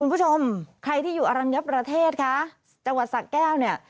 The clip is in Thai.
คุณผู้ชมใครที่อยู่อรัญญาประเทศจังหวัดสักแก้ว